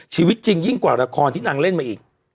ชีวิตจริงยิ่งกว่าละครที่นางเล่นมาอีก